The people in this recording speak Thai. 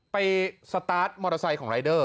สตาร์ทมอเตอร์ไซค์ของรายเดอร์